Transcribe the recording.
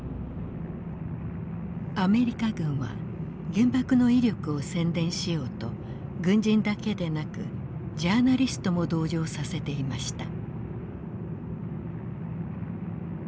アメリカ軍は原爆の威力を宣伝しようと軍人だけでなくジャーナリストも同乗させていました。